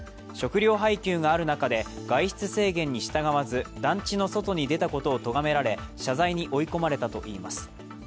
食料配給がある中で、外出制限に従わず団地の外に出たことをとがめられ、謝罪に追い込まれたといいます。